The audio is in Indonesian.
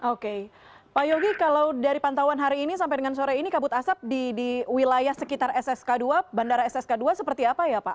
oke pak yogi kalau dari pantauan hari ini sampai dengan sore ini kabut asap di wilayah sekitar ssk dua bandara ssk dua seperti apa ya pak